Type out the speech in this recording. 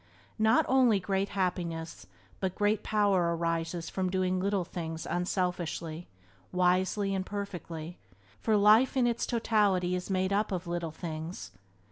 Not only great happiness but great power arises from doing little things unselfishly, wisely, and perfectly, for life in its totality is made up of little things.